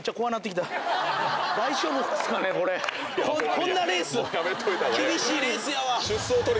こんなレース厳しいレースやわ。